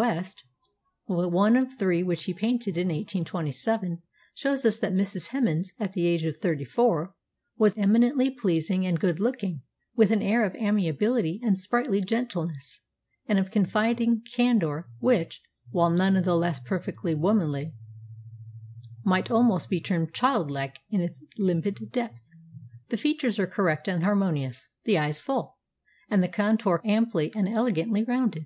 West one of three which he painted in 1827, shows us that Mrs. Hemans, at the age of thirty four, was eminently pleasing and good looking, with an air of amiability and sprightly gentleness, and of confiding candour which, while none the less perfectly womanly, might almost be termed childlike in its limpid depth. The features are correct and harmonious; the eyes full; and the contour amply and elegantly rounded.